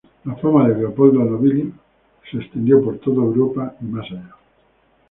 La fama de Leopoldo Nobili se extendió por toda Europa y más allá.